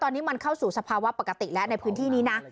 ตอนนี้มันเข้าสู่สภาวะปกติแล้วในพื้นที่นี้นะ